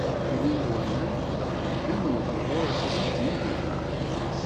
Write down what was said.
Ulin-d waman, dɣa wwin lbabuṛ, refden-t nnig n lqaɛa.